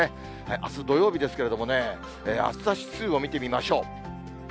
あす土曜日ですけれどもね、暑さ指数を見てみましょう。